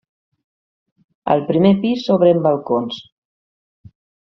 Al primer pis s'obren balcons.